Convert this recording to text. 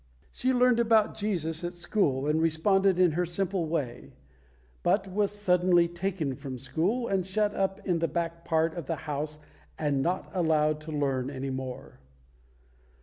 She learned about Jesus at school, and responded in her simple way; but was suddenly taken from school, and shut up in the back part of the house and not allowed to learn any more.